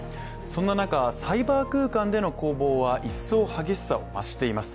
そんな中、サイバー空間での攻防は一層激しさを増しています。